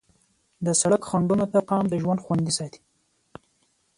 د سړک خنډونو ته پام د ژوند خوندي ساتي.